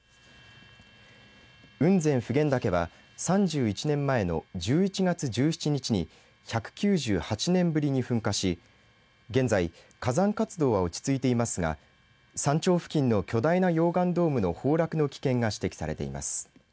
雲仙・普賢岳は３１年前の１１月１７日に１９８年ぶりに噴火し現在、火山活動は落ち着いていますが山頂付近の巨大な溶岩ドームの崩落の危険が指摘されています。